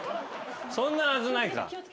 そんなはずないか。